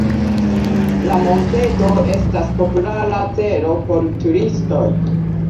La monteto estas populara celo por turistoj.